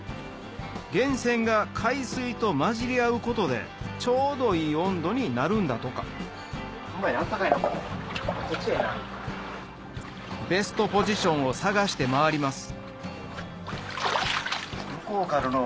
源泉が海水と混じり合うことでちょうどいい温度になるんだとかベストポジションを探して回ります